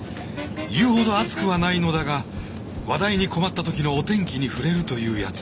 言うほど暑くはないのだが話題に困った時のお天気に触れるというやつ。